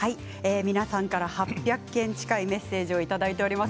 皆さんから８００件近いメッセージをいただいております。